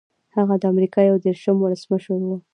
هغه د امریکا یو دېرشم ولسمشر و.